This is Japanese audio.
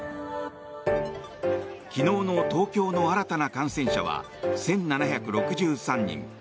昨日の東京の新たな感染者は１７６３人。